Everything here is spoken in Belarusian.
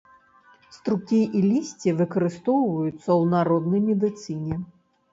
Струкі і лісце выкарыстоўваюцца ў народнай медыцыне.